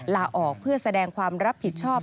ลาออกเพื่อแสดงความรับผิดชอบ